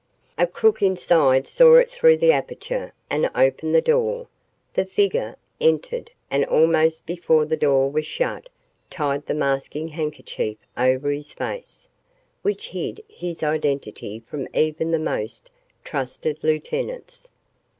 A crook inside saw it through the aperture and opened the door. The figure entered and almost before the door was shut tied the masking handkerchief over his face, which hid his identity from even the most trusted lieutenants.